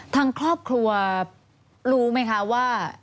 ทางครอบครัวรู้ไหมคะว่า